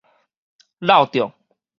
扭著